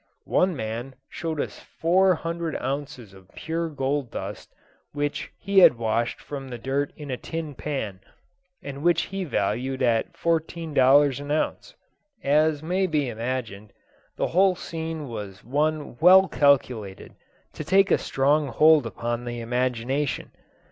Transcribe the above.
One man showed us four hundred ounces of pure gold dust which he had washed from the dirt in a tin pan, and which he valued at fourteen dollars an ounce. As may be imagined, the whole scene was one well calculated to take a strong hold upon the imagination.